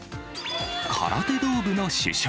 空手道部の主将。